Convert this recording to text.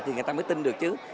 thì người ta mới tin được chứ